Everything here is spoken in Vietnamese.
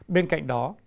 bên cạnh đó